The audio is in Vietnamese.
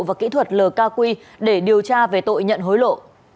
và kỹ thuật lk để điều tra về tội nhận hối lộ